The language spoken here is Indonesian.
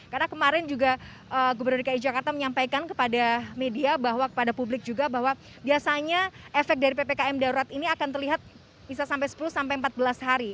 karena kemarin juga gubernur dki jakarta menyampaikan kepada media kepada publik juga bahwa biasanya efek dari ppkm darurat ini akan terlihat bisa sampai sepuluh sampai empat belas hari